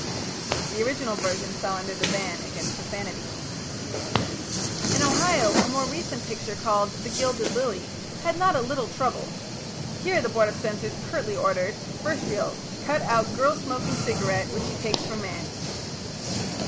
The original version fell under the ban against profanity. In Ohio a more recent picture called "The Gilded Lily" had not a little trouble. Here the Board of Censors curtly ordered: "First Reel Cut out girl smoking cigarette which she takes from man."